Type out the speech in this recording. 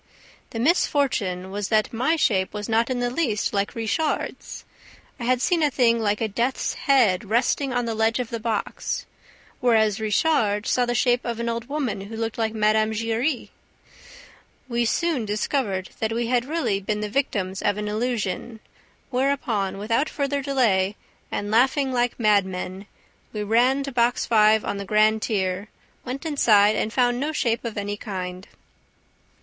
The misfortune was that my shape was not in the least like Richard's. I had seen a thing like a death's head resting on the ledge of the box, whereas Richard saw the shape of an old woman who looked like Mme. Giry. We soon discovered that we had really been the victims of an illusion, whereupon, without further delay and laughing like madmen, we ran to Box Five on the grand tier, went inside and found no shape of any kind."